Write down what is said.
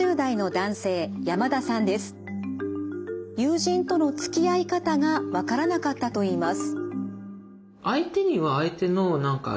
友人とのつきあい方が分からなかったといいます。